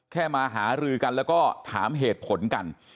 มาหารือกันแล้วก็ถามเหตุผลกัน